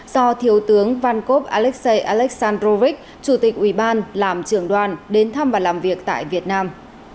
do thiếu tướng vankov alexei alexandrovich chủ tịch ủy ban làm trưởng đoàn đến thăm và làm việc tại việt nam